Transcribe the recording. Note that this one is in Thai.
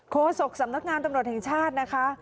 โศกสำนักงานตำรวจแห่งชาตินะคะ